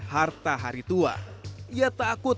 harta hari tua ia takut